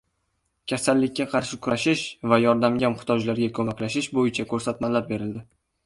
Kasallikka qarshi kurashish va yordamga muhtojlarga ko‘maklashish bo‘yicha ko‘rsatmalar berildi